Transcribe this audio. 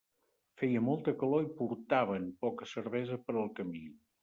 Feia molta calor i portaven poca cervesa per al camí.